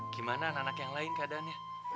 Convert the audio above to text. gimana anak anak yang lain keadaannya